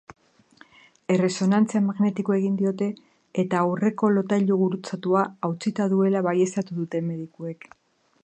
Erresonantzia magnetikoa egin diote eta aurreko lotailu gurutzatua hautsita duela baieztatu dute medikuek.